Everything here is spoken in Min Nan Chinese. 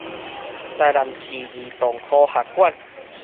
臺南市兒童科學館